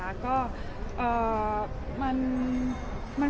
เรามีความคิดเห็นในส่วนนี้ยังไงบ้าง